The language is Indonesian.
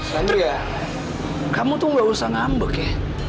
nandria kamu tuh nggak usah ngambek ya